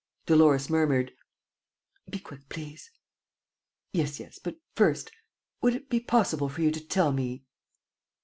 Dolores murmured: "Be quick, please." "Yes, yes, but first ... would it be possible for you to tell me